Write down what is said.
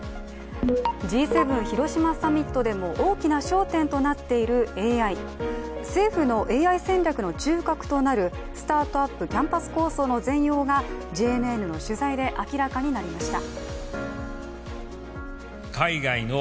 Ｇ７広島サミットでも大きな焦点となっているＡＩ政府のＡＩ戦略の中核となるスタートアップ・キャンパス構想の全容がＪＮＮの取材で明らかになりました。